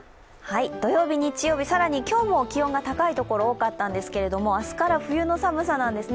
土曜日、日曜日、更に今日も気温が高いところが多かったんですが、明日から冬の寒さなんですね。